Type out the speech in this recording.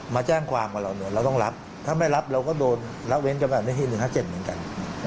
มาแจ้งความว่าเราต้องรับถ้าไม่รับเราก็โดนรับเว้นกระแบบนี้๑๕๗เหมือนกัน